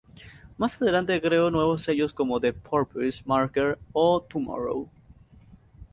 Más adelante creó nuevos sellos como The Purpose Maker o Tomorrow.